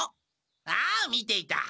ああ見ていた。